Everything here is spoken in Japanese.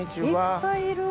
いっぱいいる。